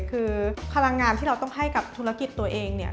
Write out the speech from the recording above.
คือพลังงานที่เราต้องให้กับธุรกิจตัวเองเนี่ย